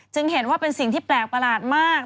เห็นว่าเป็นสิ่งที่แปลกประหลาดมาก